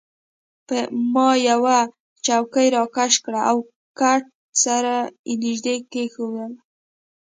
ما یوه چوکۍ راکش کړل او کټ سره يې نژدې کښېښوول.